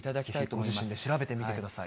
ご自身で調べてみてください。